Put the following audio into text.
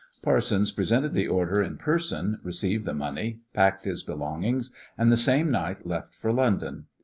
Parsons presented the order in person, received the money, packed his belongings, and the same night left for London.